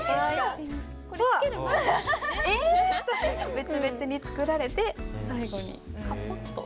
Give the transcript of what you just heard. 別々に作られて最後にかぽっと。